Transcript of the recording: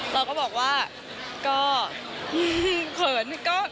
เราก็บอกว่าก็เขิน